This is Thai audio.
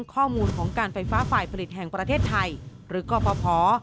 ข้อมูลของการไฟฟ้าฝ่ายผลิตแห่งประเทศไทยหรือกรฟภ